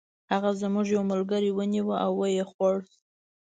هغه زموږ یو ملګری ونیوه او و یې خوړ.